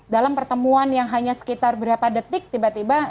dalam pertemuan yang hanya sekitar berapa detik tiba tiba